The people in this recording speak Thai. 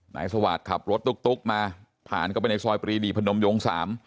นายสวาสตร์ขับรถตุ๊กมาผ่านเข้าไปในซอยปรีดีพนมยง๓